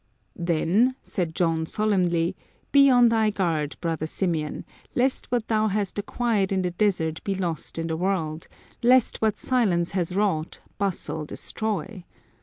" Then," said John solemnly, " be on thy guard, brother Symeon, lest what thou hast acquired in the desert be lost in the world ; lest what silence has 172 i Some Crazy Saints wrought, bustle destroy.